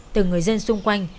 từng người dân xung quanh